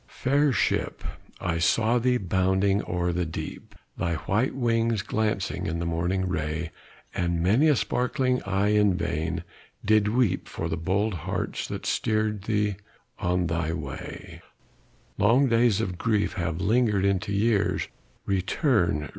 Fair ship, I saw thee bounding o'er the deep, Thy white wings glancing in the morning ray And many a sparkling eye in vain did weep For the bold hearts that steer'd thee on thy way: Long days of grief have lingered into years: Return!